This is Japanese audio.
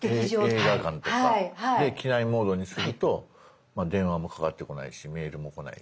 映画館とかで機内モードにすると電話もかかってこないしメールもこないし。